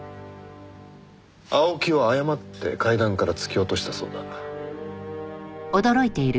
青木を過って階段から突き落としたそうだ。